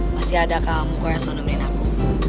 masih ada kamu kurang suamin aku